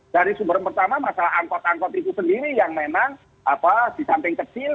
dari sumber pertama masalah angkot angkot itu sendiri yang memang di samping kecil